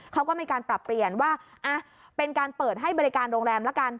เขาก็มีการปรับเปลี่ยนว่าเป็นการเปิดให้บริการโรงแรมละกัน